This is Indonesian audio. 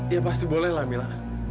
ya pasti boleh lah mila